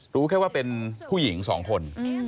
รู้แค่ว่าเป็นผู้หญิง๒คน